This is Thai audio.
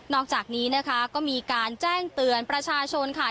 อกจากนี้นะคะก็มีการแจ้งเตือนประชาชนค่ะ